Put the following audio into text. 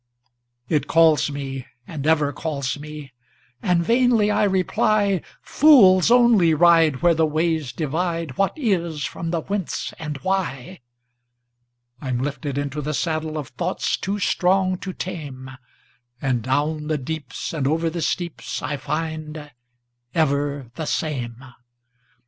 It calls me and ever calls me! And vainly I reply,"Fools only ride where the ways divideWhat Is from the Whence and Why"!I'm lifted into the saddleOf thoughts too strong to tameAnd down the deeps and over the steepsI find—ever the same.